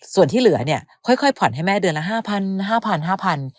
ส่วนที่เหลือเนี่ยค่อยผ่อนให้แม่เดือนละ๕๐๐๕๐๐บาท